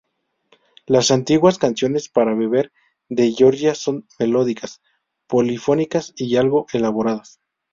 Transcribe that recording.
Las antiguas canciones para beber de Georgia son melódicas, polifónicas y algo elaboradas.